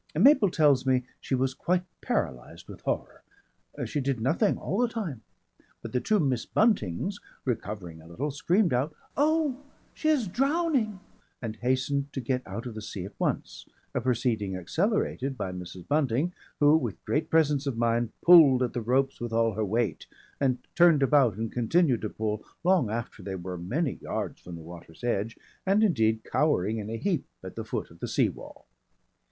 Mabel tells me she was quite paralysed with horror, she did nothing all the time, but the two Miss Buntings, recovering a little, screamed out, "Oh, she's drowning!" and hastened to get out of the sea at once, a proceeding accelerated by Mrs. Bunting, who with great presence of mind pulled at the ropes with all her weight and turned about and continued to pull long after they were many yards from the water's edge and indeed cowering in a heap at the foot of the sea wall.